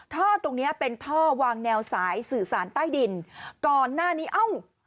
ท่อตรงเนี้ยเป็นท่อวางแนวสายสื่อสารใต้ดินก่อนหน้านี้เอ้า